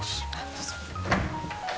どうぞ。